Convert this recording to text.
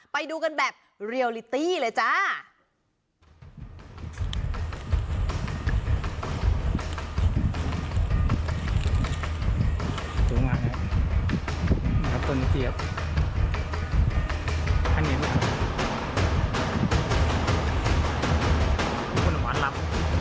ไปดูกันแบบเรียลลิตี้เลยจ้า